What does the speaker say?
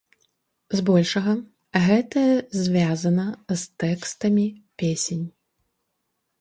Збольшага гэтае звязана з тэкстамі песень.